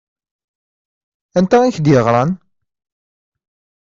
Anta i k-d-yeɣṛan?